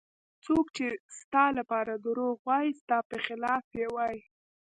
څوک چې ستا لپاره دروغ وایي ستا په خلاف یې وایي.